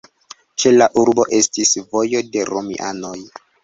Ĉe la urbo estis vojo de romianoj.